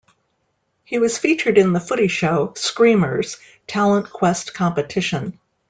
He was featured in The Footy Show "Screamers" talent quest competition.